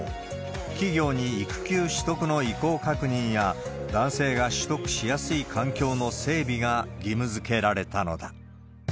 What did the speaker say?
企業に育休取得の意向確認や、男性が取得しやすい環境の整備が義務づけられたのだ。